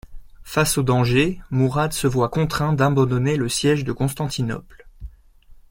Face au danger, Mourad se voit contraint d'abandonner le siège de Constantinople.